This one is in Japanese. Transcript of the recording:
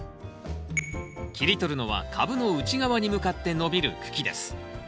切り取るのは株の内側に向かって伸びる茎です。